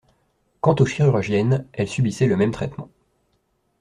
Quant aux chirurgiennes, elles subissaient le même traitement.